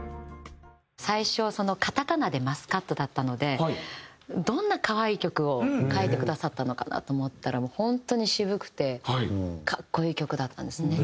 最初カタカナで「マスカット」だったのでどんな可愛い曲を書いてくださったのかなと思ったらもう本当に渋くて格好いい曲だったんですね。